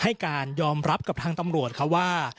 ให้การยอมรับกับทางตำรวจเขาว่า